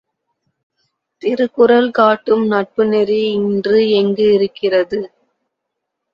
திருக்குறள் காட்டும் நட்புநெறி இன்று எங்கு இருக்கிறது?